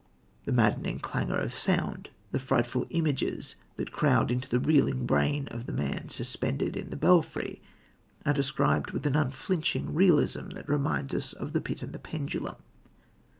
The maddening clangour of sound, the frightful images that crowd into the reeling brain of the man suspended in the belfry, are described with an unflinching realism that reminds us of The Pit and the Pendulum.